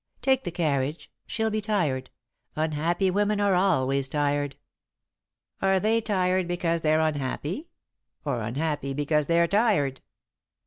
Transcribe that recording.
"Take the carriage. She'll be tired. Unhappy women are always tired." "Are they tired because they're unhappy, or unhappy because they're tired?